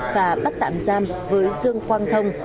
và bắt tạm giam với dương quang thông